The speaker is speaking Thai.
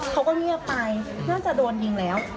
เขาก็เงียบไปน่าจะโดนยิงแล้ว